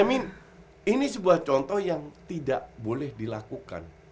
i mean ini sebuah contoh yang tidak boleh dilakukan